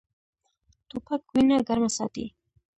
توپک وینه ګرمه ساتي.